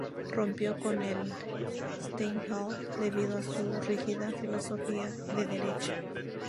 Rompió con el "Stahlhelm" debido a su rígida filosofía de derecha.